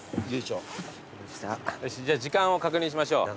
じゃあ時間を確認しましょう。